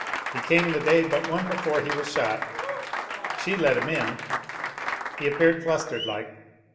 He came the day but one before he was shot. She let him in. He appeared flustered like.